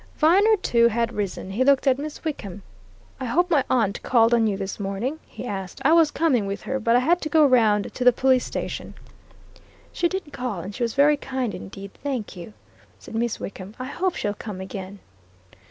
Viner, too, had risen; he looked at Miss Wickham. "I hope my aunt called on you this morning?" he asked. "I was coming with her, but I had to go round to the police station." "She did call, and she was very kind indeed, thank you," said Miss Wickham. "I hope she'll come again."